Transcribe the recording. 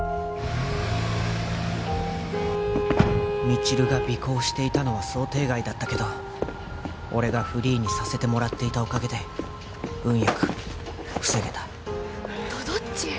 未知留が尾行していたのは想定外だったけど俺がフリーにさせてもらっていたおかげで運よく防げたとどっち